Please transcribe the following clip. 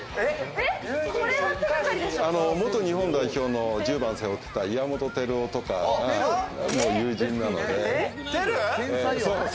元日本代表の１０番を背負ってた岩本輝雄とか、友人なので。